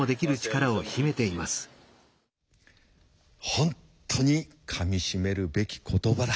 本当にかみしめるべき言葉だ。